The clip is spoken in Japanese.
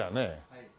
はい。